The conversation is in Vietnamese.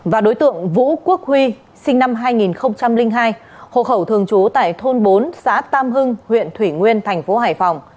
và đối tượng vũ quốc huy sinh năm hai nghìn hai hộ khẩu thường trú tại thôn bốn xã tam hưng huyện thủy nguyên tp hải phòng